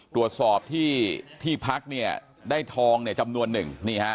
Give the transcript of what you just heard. ตรวจสอบที่พักได้ทองเนี่ยจำนวน๑นี่ฮะ